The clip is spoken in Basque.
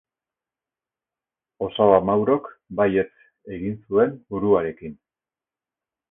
Osaba Maurok baietz egin zuen buruarekin.